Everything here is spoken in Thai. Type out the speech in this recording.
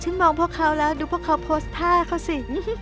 มองพวกเขาแล้วดูพวกเขาโพสต์ท่าเขาสิ